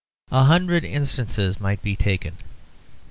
A hundred instances might be taken.